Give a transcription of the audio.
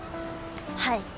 はい。